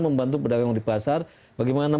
membantu pedagang di pasar bagaimana